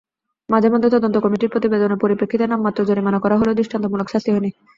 মাঝেমধ্যে তদন্ত কমিটির প্রতিবেদনের পরিপ্রেক্ষিতে নামমাত্র জরিমানা করা হলেও দৃষ্টান্তমূলক শাস্তি হয়নি।